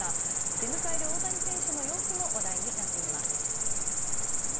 出迎える大谷選手の様子も話題になっています。